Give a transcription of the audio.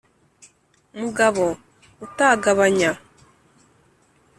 Mugabo utagabanya